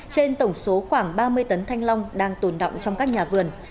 trên tổng số khoảng ba mươi tấn thanh long đang tồn động trong các nhà vườn